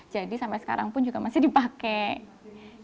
jadi sampai sekarang pun juga masih dipakai